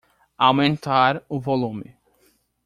Aumentar o volume.